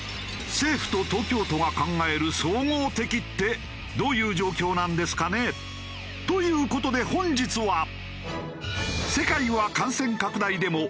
政府と東京都が考える総合的ってどういう状況なんですかね？という事で本日は。